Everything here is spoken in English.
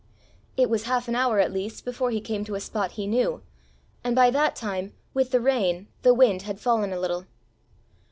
It was half an hour at least before he came to a spot he knew, and by that time, with the rain the wind had fallen a little.